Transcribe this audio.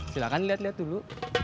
silahkan lihat lihat dulu